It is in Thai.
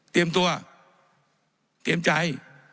เตรียมตัวเตรียมใจ